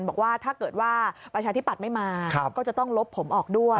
บอกว่าถ้าเกิดว่าประชาธิปัตย์ไม่มาก็จะต้องลบผมออกด้วย